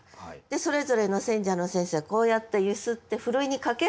でそれぞれの選者の先生はこうやって揺すってふるいにかけるわけですよ。